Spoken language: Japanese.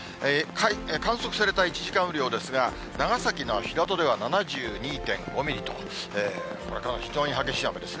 観測された１時間雨量ですが、長崎の平戸では７２．５ミリと、これ、非常に激しい雨ですね。